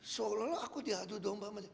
seolah olah aku diadu domba